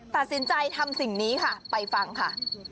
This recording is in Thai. ตัดสินใจทำสิ่งนี้ค่ะไปฟังค่ะ